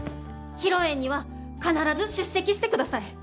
披露宴には必ず出席してください！